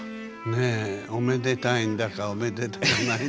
ねえおめでたいんだかおめでたくないんだか。